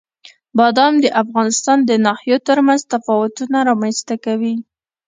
بادام د افغانستان د ناحیو ترمنځ تفاوتونه رامنځته کوي.